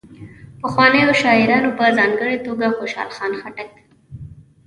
پخوانیو شاعرانو په ځانګړي توګه خوشال خان خټک.